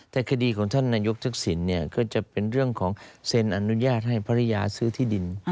แต่คดีของท่านนายกทักษิณเนี่ยก็จะเป็นเรื่องของเซ็นอนุญาตให้ภรรยาซื้อที่ดิน